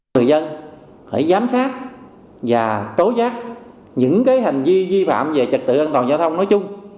người dân phải giám sát và tố giác những hành vi vi phạm về trật tự an toàn giao thông nói chung